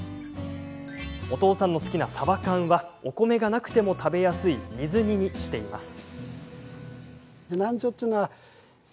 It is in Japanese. お父さんの好きな、さば缶はお米がなくても食べやすい水煮にしています。